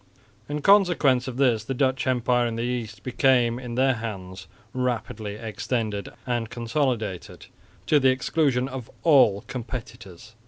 In consequence of this the Dutch empire in the East became in their hands rapidly extended and consolidated, to the exclusion of all competitors.